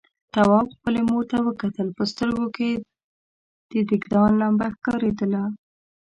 تواب خپلې مور ته وکتل، په سترګوکې يې د دېګدان لمبه ښکارېدله.